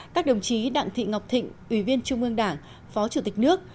các đồng chí đặng thị ngọc thịnh ủy viên trung ương đảng phó chủ tịch nước